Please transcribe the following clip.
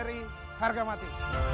nkri harga mati